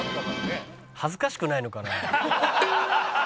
恥ずかしくないのかな？